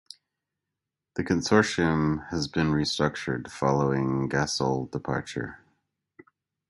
The consortium has been restructured following Gasol departure.